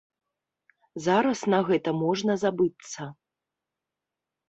Зараз на гэта можна забыцца.